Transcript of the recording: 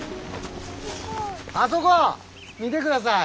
あそご見でください。